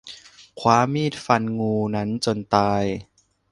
คว้ามีดฟันงูนั้นจนตาย